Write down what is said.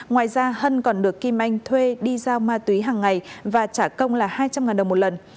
ngoài ra hân còn được kim anh thuê đi giao ma túy hàng ngày và trả công là hai trăm linh đồng một lần